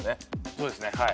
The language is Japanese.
そうですねはい。